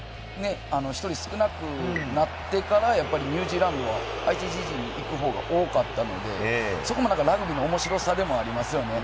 １人少なくなってからニュージーランドは相手陣地に行く方が多かったので、ラグビーの面白さでもありますよね。